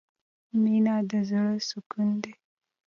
مینه د زړه سکون دی.